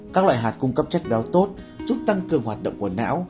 các loại hạt cung cấp chất đáu tốt giúp tăng cường hoạt động của não